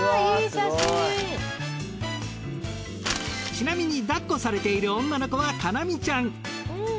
ちなみにだっこされている女の子は叶望ちゃん。